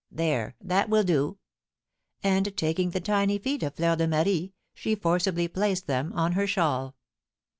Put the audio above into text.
There, that will do." And, taking the tiny feet of Fleur de Marie, she forcibly placed them on her shawl.